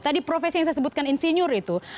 tadi profesi yang saya sebutkan insinyur itu